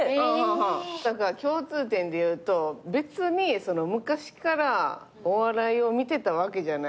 共通点でいうと別に昔からお笑いを見てたわけじゃないっていうね。